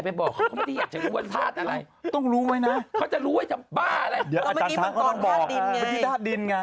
พี่บังกรภาดดินไง